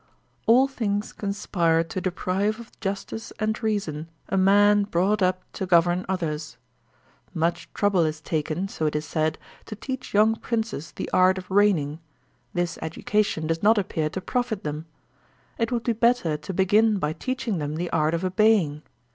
* All things conspire to deprive of justice and reason a man brought up to govern others. Much trouble is taken. MONARCHY 67 so it is said, to teach young princes the art of reigning; this education does not appear to profit them. It would be better to begin by teaching them the art of obeying.